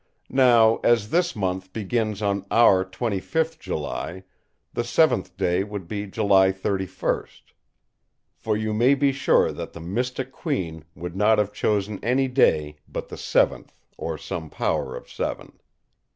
Now as this month begins on our 25th July, the seventh day would be July 31st, for you may be sure that the mystic Queen would not have chosen any day but the seventh or some power of seven.